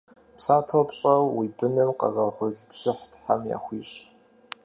Псапэу пщӏэр уи быным къэрэгъул бжыхь Тхьэм яхуищӏ.